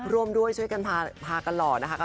รวมด้วยช่วยกันพากันหล่อ